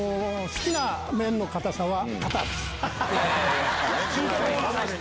好きな麺の硬さは。